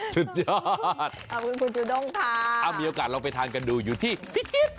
สุดยอดขอบคุณคุณจูด้งค่ะมีโอกาสลองไปทานกันดูอยู่ที่พิจิต